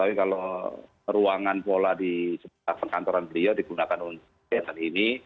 artinya ditahui kalau ruangan pola di sekitar pengantoran beliau digunakan untuk kegiatan ini